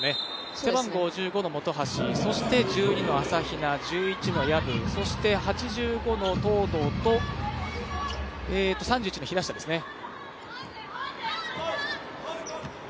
背番号１５の本橋そして１２の朝比奈１１の薮、そして８５の東藤と３１の平下ですね。